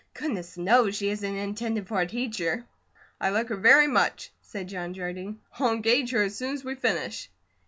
Goodness knows she isn't intended for a teacher." "I like her very much," said John Jardine. "I'll engage her as soon as we finish."